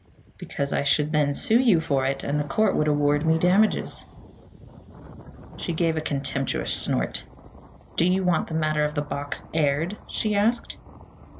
"Because I should then sue you for it and the court would award me damages." She gave a contemptuous snort. "Do you want that matter of the box aired?" she asked.